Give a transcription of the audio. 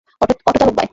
Auto চালক ভাই!